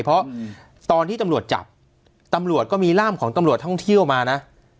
เพราะตอนที่ตำรวจจับตำรวจก็มีร่ามของตำรวจท่องเที่ยวมานะ